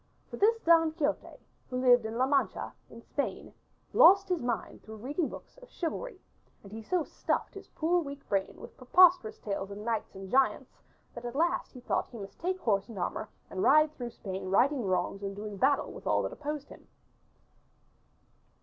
For this Don Quixote, who lived in La Mancha in Spain, lost his mind through reading books of chivalry, and he so stuffed his poor weak brain with preposterous tales of knights and giants that at last he thought he must take horse and armor and ride through Spain righting wrongs and doing battle with all that opposed him.